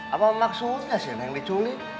apa maksudnya siapa yang diculik